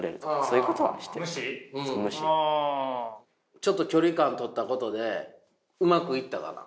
ちょっと距離感取ったことでうまくいったかな？